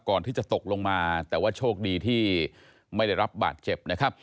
ตกลงมาแต่ว่าโชคดีที่ไม่ได้รับบาดเจ็บนะครับ